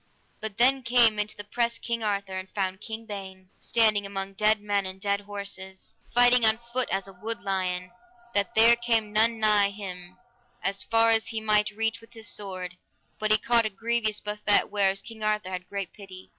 By then came into the press King Arthur, and found King Ban standing among dead men and dead horses, fighting on foot as a wood lion, that there came none nigh him, as far as he might reach with his sword, but he caught a grievous buffet; whereof King Arthur had great pity.